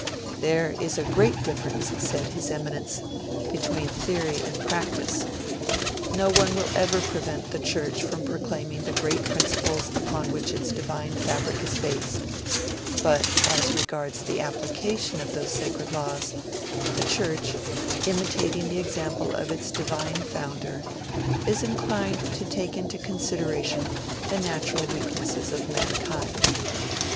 'There is a great difference,' said his Eminence, between theory and practice. No one will ever prevent the Church from proclaiming the great principles upon which its Divine fabric is based; but, as regards the application of those sacred laws, the Church, imitating the example of its Divine Founder, is inclined to take into consideration the natural weaknesses of mankind.'